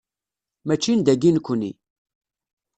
Mačči n dayi nekni.